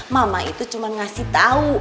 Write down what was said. mama itu cuma ngasih tahu